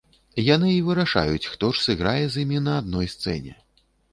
Яны і вырашаць, хто ж сыграе з імі на адной сцэне.